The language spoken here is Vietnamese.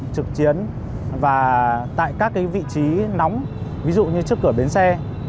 trực chiến và tại các vị trí nóng ví dụ như trước cửa bến xe